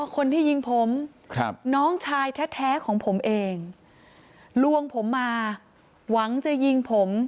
คนที่ยิงผมน้องชายแท้ของผมเองลวงผมมาหวังจะยิงผม